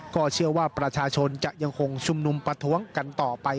ก็เชื่อว่าประชาชนจะยังคงชุมนุมประท้วงกันต่อไป